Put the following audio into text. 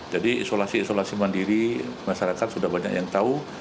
jadi isolasi isolasi mandiri masyarakat sudah banyak yang tahu